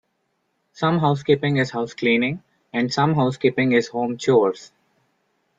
Some housekeeping is housecleaning and some housekeeping is home chores.